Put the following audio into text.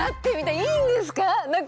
いいんですか？